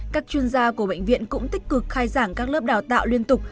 các chuyên gia của bệnh viện cũng tích cực khai giảng các lớp đào tạo liên tục